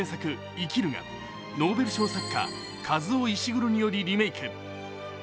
「生きる」がノーベル賞作家、カズオ・イシグロによりリメイク。